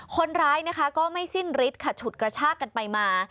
คนร้ายนะคะก็ไม่สิ้นฤทธิ์ค่ะฉุดกระชากกันไปมา